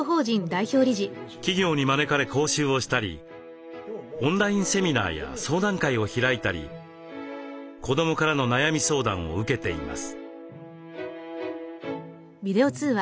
企業に招かれ講習をしたりオンラインセミナーや相談会を開いたり子どもからの悩み相談を受けています。